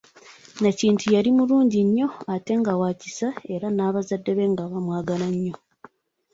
Nakintu yali mulungi nnyo ate nga wa kisa era ne bazadde be nga bamwagala nnyo.